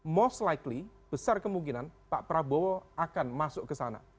most likely besar kemungkinan pak prabowo akan masuk ke sana